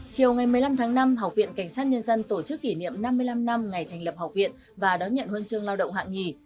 chiều ngày một mươi năm tháng năm học viện cảnh sát nhân dân tổ chức kỷ niệm năm mươi năm năm ngày thành lập học viện và đón nhận huân chương lao động hạng nhì